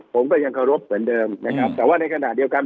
ผมก็ยังเคารพเหมือนเดิมนะครับแต่ว่าในขณะเดียวกัน